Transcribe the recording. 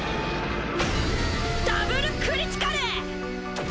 ダブルクリティカル！